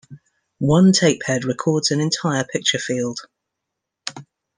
One tape head records an entire picture field.